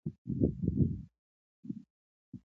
زموږ نصیب به هم په هغه ورځ پخلا سي!!